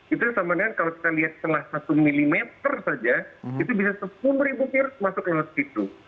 itu sama dengan kalau kita lihat setengah satu mm saja itu bisa sepuluh virus masuk lewat situ